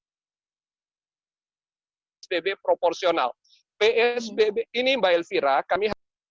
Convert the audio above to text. psbb proporsional ini mbak elvira kami